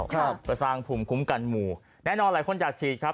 ครับก็สร้างภูมิคุ้มกันหมู่แน่นอนหลายคนอยากฉีดครับ